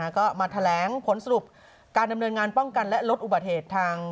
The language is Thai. ก็มาแถลงผลสรุปการดำเนินงานป้องกันและลดอุบัติเหตุทาง